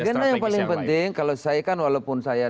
agenda yang paling penting kalau saya kan walaupun saya